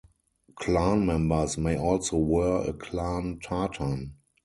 Clan members may also wear a clan tartan.